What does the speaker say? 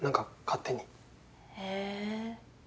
へえ。